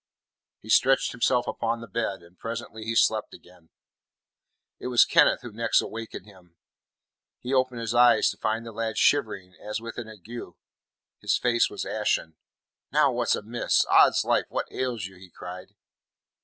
He stretched himself upon the bed, and presently he slept again. It was Kenneth who next awakened him. He opened his eyes to find the lad shivering as with an ague. His face was ashen. "Now, what's amiss? Oddslife, what ails you?" he cried.